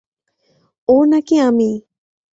ও না-কি আমি।